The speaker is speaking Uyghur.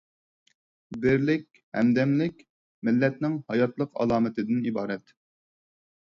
بىرلىك، ھەمدەملىك — مىللەتنىڭ ھاياتلىق ئالامىتىدىن ئىبارەت.